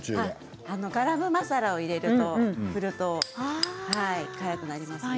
ガラムマサラを入れるとスパイシーになりますね。